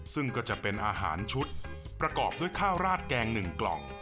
ซึ่งก็จะเป็นอาหารชุดประกอบด้วยข้าวราดแกง๑กล่อง